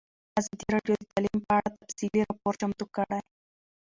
ازادي راډیو د تعلیم په اړه تفصیلي راپور چمتو کړی.